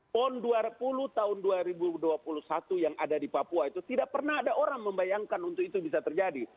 pon dua puluh tahun dua ribu dua puluh satu yang ada di papua itu tidak pernah ada orang membayangkan untuk itu bisa terjadi